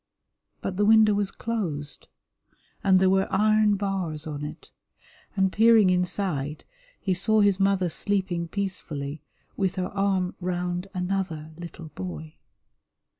But the window was closed, and there were iron bars on it, and peering inside he saw his mother sleeping peacefully with her arm round another little boy.